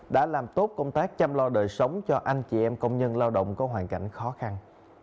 đã làm tốt công tác chăm lo đời sống cho anh chị em công nhân lao động có hoàn cảnh khó khăn